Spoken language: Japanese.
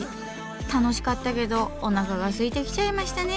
楽しかったけどおなかがすいてきちゃいましたね。